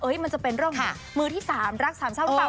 เฮ้ยมันจะเป็นเรื่องมือที่สามรักสามเช่าหรือเปล่า